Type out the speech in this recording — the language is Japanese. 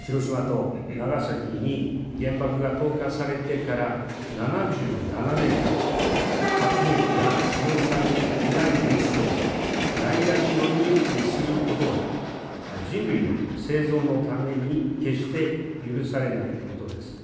広島と長崎に原爆が投下されてから７７年間、核兵器が使用されていない歴史をないがしろにすることは、人類の生存のために決して許されないことです。